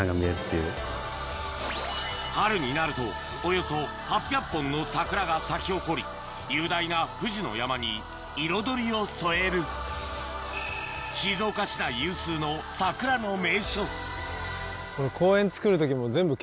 春になるとおよそ８００本の桜が咲き誇り雄大な富士の山に彩りを添える静岡市内有数のだって僕。